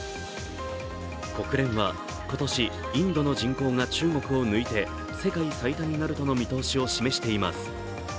国連は今年、インドの人口が中国を抜いて世界最多になるとの見通しを示しています。